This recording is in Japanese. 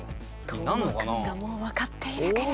當間君がもうわかっているけれど。